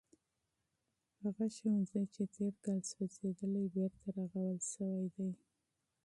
هغه ښوونځی چې تیر کال سوځېدلی و بېرته رغول شوی دی.